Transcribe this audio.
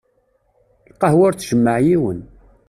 Lqahwa ur tjemmeε yiwen.